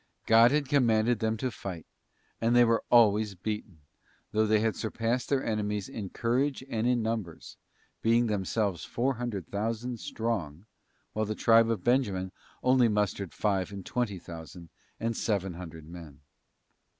God had com manded them to fight, and they were always beaten, though they surpassed their enemies in courage and in numbers— being themselves four hundred thousand strong, while the tribe of Benjamin only mustered five and twenty thousand and seven hundred men.